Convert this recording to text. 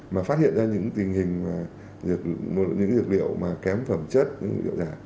mà phát hiện ra những dược liệu kém phẩm chất dược liệu giả